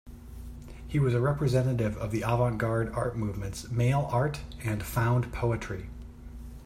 He was a representative of the avant-garde art movements Mail Art and Found Poetry.